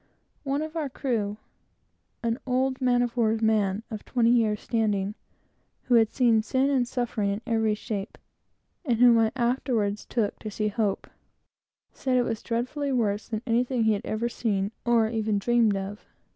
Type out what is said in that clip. One of our crew, an old man of war's man, of twenty years' standing, who had seen sin and suffering in every shape, and whom I afterwards took to see Hope, said it was dreadfully worse than anything he had ever seen, or even dreamed of.